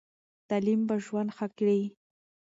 تعلیم به ژوند ښه کړي.